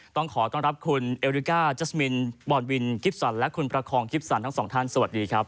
ต้องขอต้อนรับคุณเอริกาจัสมินบอลวินกิฟสันและคุณประคองกิฟสันทั้งสองท่านสวัสดีครับ